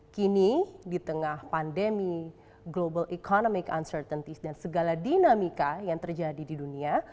kini di tengah pandemi global economic uncertaintyest dan segala dinamika yang terjadi di dunia